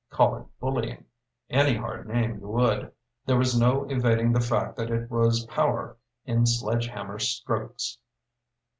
Call it bullying any hard name you would, there was no evading the fact that it was power in sledge hammer strokes.